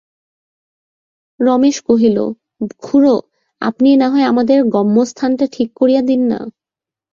রমেশ কহিল, খুড়ো, আপনিই নাহয় আমাদের গম্যস্থানটা ঠিক করিয়া দিন-না।